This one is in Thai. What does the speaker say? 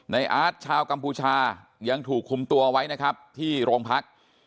อาร์ตชาวกัมพูชายังถูกคุมตัวไว้นะครับที่โรงพัก